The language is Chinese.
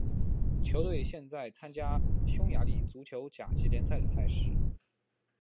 球队现在参加匈牙利足球甲级联赛的赛事。